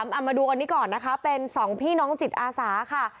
เอามาดูอันนี้ก่อนนะคะเป็นสองพี่น้องจิตอาสาค่ะ